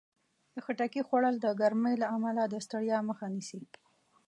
د خټکي خوړل د ګرمۍ له امله د ستړیا مخه نیسي.